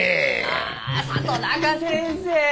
あ里中先生！